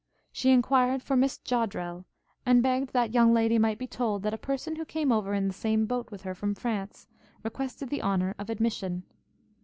She enquired for Miss Joddrel, and begged that young lady might be told, that a person who came over in the same boat with her from France, requested the honour of admission.